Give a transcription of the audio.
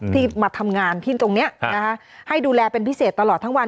ที่มาทำงานที่ตรงนี้ให้ดูแลเป็นพิเศษตลอดทั้งวัน